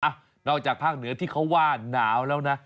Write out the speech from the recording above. นอกจากภาคเหนือที่เขาว่าหนาวแล้วนะ